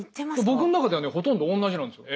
僕の中ではねほとんどおんなじなんですよ。